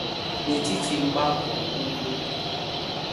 N'etiti mgbago ugwu